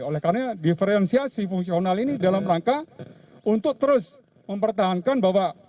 oleh karena diferensiasi fungsional ini dalam rangka untuk terus mempertahankan bahwa